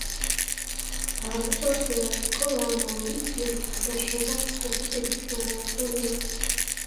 Abantu bose bazi ko Bamoriki adashobora kuvuga igifaransa neza.